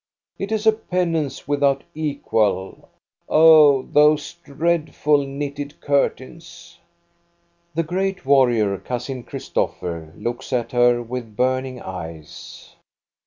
It is a penance without equal. Oh, those dreadful knitted curtains !" The great warrior. Cousin Christopher, looks at her with burning eyes.